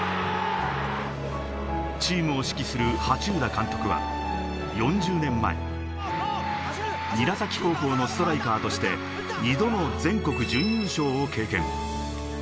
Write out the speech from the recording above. チームを指揮する羽中田監督は４０年前、韮崎高校のストライカーとして２度の全国準優勝を経験。